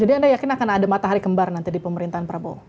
jadi anda yakin akan ada matahari kembar nanti di pemerintahan prabowo